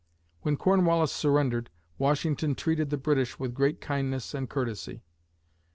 When Cornwallis surrendered, Washington treated the British with great kindness and courtesy.